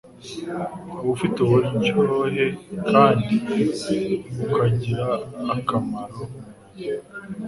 uba ufite uburyohe kandi ukagirira akamaro umubiri.